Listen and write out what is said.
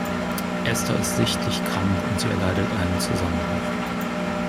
Ester ist sichtlich krank, und sie erleidet einen Zusammenbruch.